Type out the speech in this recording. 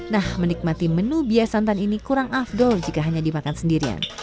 nah menikmati menu bia santan ini kurang afdol jika hanya dimakan sendirian